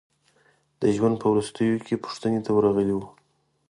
د ژوند په وروستیو کې پوښتنې ته ورغلي وو.